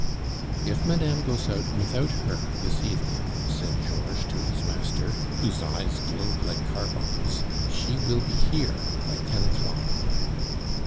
"If madame goes out without her this evening," said Georges to his master, whose eyes glowed like carbuncles, "she will be here by ten o'clock."